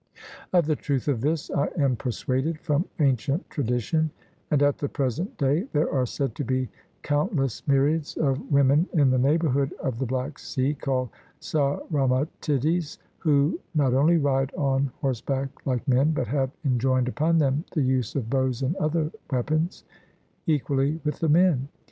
Of the truth of this I am persuaded from ancient tradition, and at the present day there are said to be countless myriads of women in the neighbourhood of the Black Sea, called Sauromatides, who not only ride on horseback like men, but have enjoined upon them the use of bows and other weapons equally with the men.